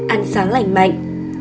một ăn sáng lạnh mạnh